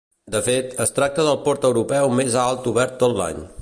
De fet, es tracta del port europeu més alt obert tot l'any.